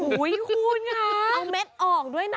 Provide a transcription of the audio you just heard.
เอาเม็ดออกด้วยนะ